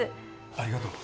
ありがとう